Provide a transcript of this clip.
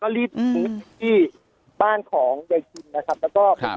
ก็รีบถึงที่บ้านของเด็กจุลนะครับ